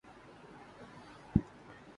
ایسا نہیں کرسکتا